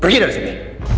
pergi dari sini